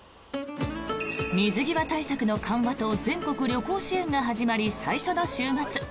水際対策の緩和と全国旅行支援が始まり最初の週末。